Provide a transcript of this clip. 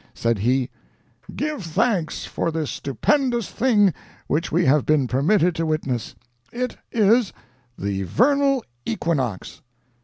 Said he: "Give thanks for this stupendous thing which we have been permitted to witness. It is the Vernal Equinox!"